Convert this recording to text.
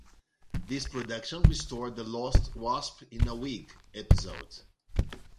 This production restored the lost "Wasp in a Wig" episode.